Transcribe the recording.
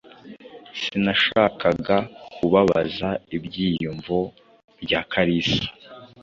Sinashakaga kubabaza ibyiyumvo bya Kalisa.